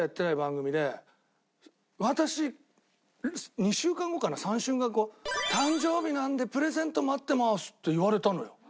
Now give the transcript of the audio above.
私２週間後かな３週間後誕生日なんでプレゼント待ってますって言われたのよ。